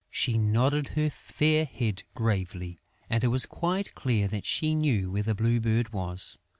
She nodded her fair head gravely; and it was quite clear that she knew where the Blue Bird was.